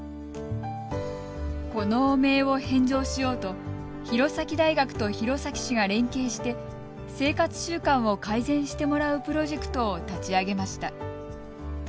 この汚名を返上しようと弘前大学と弘前市が連携して生活習慣を改善してもらうプロジェクトを立ち上げました。